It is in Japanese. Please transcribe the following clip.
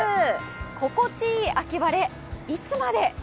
心地良い秋晴れ、いつまで。